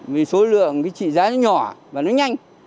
vì số lượng cái trị giá nó nhỏ và nó nhanh